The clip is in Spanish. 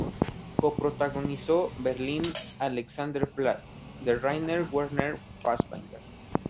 Co-protagonizó "Berlin Alexanderplatz", de Rainer Werner Fassbinder.